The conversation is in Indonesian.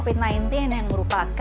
di dalam perjalanan ke rumah sakit